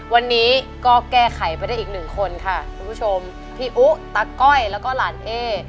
วันนี้ก็แก้ไขไปได้อีกหนึ่งคนค่ะคุณผู้ชมพี่อุ๊ตะก้อยแล้วก็หลานเอ๊